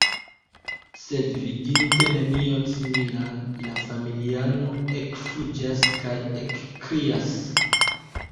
Sed, vidinte nenion similan, la familiano ekfuĝas kaj ekkrias.